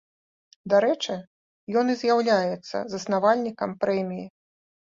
Дарэчы, ён і з'яўляецца заснавальнікам прэміі.